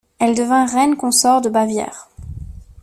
Elle devint reine consort de Bavière.